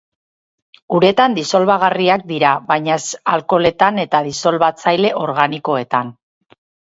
Uretan disolbagarriak dira, baina ez alkoholetan eta disolbatzaile organikoetan.